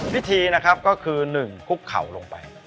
วิธีนะครับก็คือ๑คุกเข่าลงไป